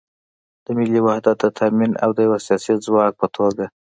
د ملي وحدت د تامین او د یو سیاسي ځواک په توګه